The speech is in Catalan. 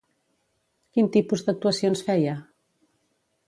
Quin tipus d'actuacions feia?